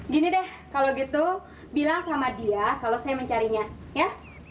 gini deh kalau gitu bilang sama dia kalau saya mencarinya ya